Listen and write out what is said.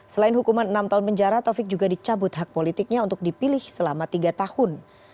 selain hukuman enam tahun penjara taufik juga dicabut hak politiknya untuk dipilih selama tiga tahun